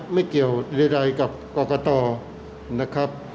ไม่เกี่ยวใดกับกรกตนะครับ